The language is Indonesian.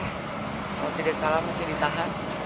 kalau tidak salah masih ditahan